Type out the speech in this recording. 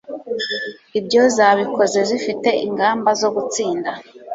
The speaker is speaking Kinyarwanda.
ibyo zabikoze zifite ingamba zo gutsinda